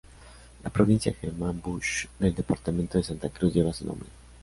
La Provincia Germán Busch del Departamento de Santa Cruz lleva su nombre.